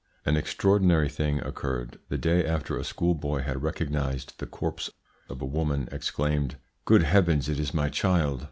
"An extraordinary thing occurred. The day after a schoolboy had recognised the corpse a woman exclaimed, `Good Heavens, it is my child!'